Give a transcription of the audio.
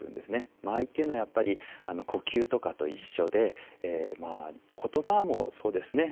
間合いというのはやっぱり呼吸とかと一緒でまあ言葉もそうですね。